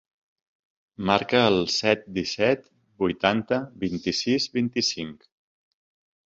Marca el set, disset, vuitanta, vint-i-sis, vint-i-cinc.